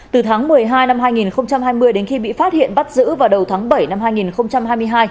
từ tháng một mươi hai năm hai nghìn hai mươi đến khi bị phát hiện bắt giữ vào đầu tháng bảy năm hai nghìn hai mươi hai